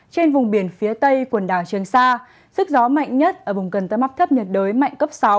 trên vùng biển phía tây quần đảo trường sa sức gió mạnh nhất ở vùng cần tăng mắp thấp nhật đới mạnh cấp sáu